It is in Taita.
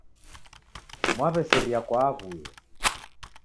Mwaw'eseria kwa aw'uye